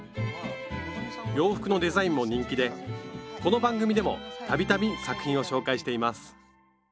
洋服のデザインも人気でこの番組でも度々作品を紹介しています